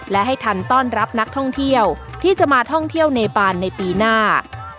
และให้ทันต้อนรับนักท่องเที่ยวที่จะมาท่องเที่ยวเนปานในปีหน้า